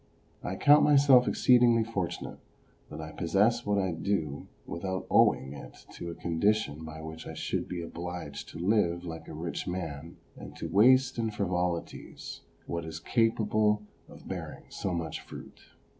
I count myself exceedingly fortunate that I possess what I do without owing it to a condition by which I should be obliged to live like a rich man, and to waste in frivolities what is capable of bearing so much fruit.